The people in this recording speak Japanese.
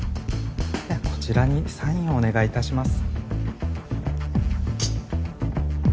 こちらにサインをお願いいたします。